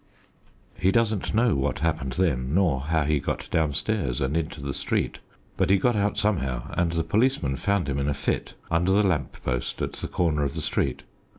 He doesn't know what happened then, nor how he got downstairs and into the street; but he got out somehow, and the policeman found him in a fit, under the lamp post at the corner of the street.